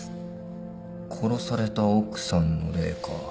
殺された奥さんの霊か。